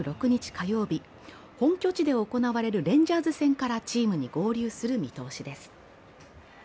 火曜日、本拠地で行われるレンジャーズ戦からチームに合流する見通しです。